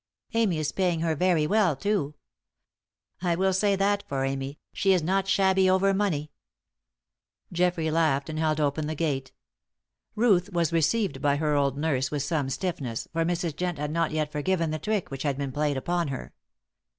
Amy is paying her very well, too. I will say that for Amy, she is not shabby over money." Geoffrey laughed and held open the gate. Ruth was received by her old nurse with some stiffness, for Mrs. Jent had not yet forgiven the trick which had been played upon her.